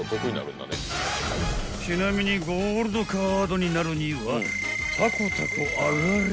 ［ちなみにゴールドカードになるにはタコタコあがれ！］